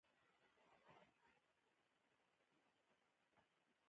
له ورايه به پوهېدې چې د پوښتنې له ځواب څخه یې ښه نه راځي.